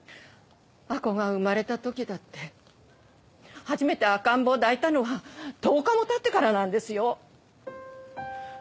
亜子が生まれたときだって初めて赤ん坊を抱いたのは１０日も経ってからなんですよ！